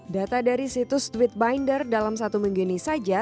data dari situs tweetbinder dalam satu minggu ini saja